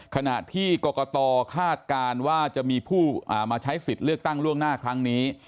ขณะที่กรกตคาดการณ์ว่าจะมีผู้มาใช้สิทธิ์เลือกตั้งล่วงหน้าครั้งนี้